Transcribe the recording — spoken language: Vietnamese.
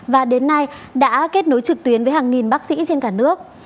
và đến nay đã kết nối trực tuyến với hàng nghìn bác sĩ trên cả nước